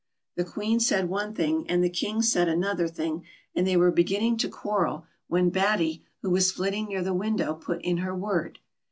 The Queen said one thing and the King said another thing, and they were beginning to quarrel, when Batty, who was flitting near the window, put in her word.